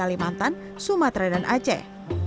kalimantan sumatera dan aceh